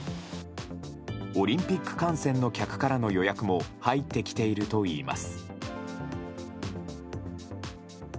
オリンピック観戦の客からの予約も入ってきているといいます。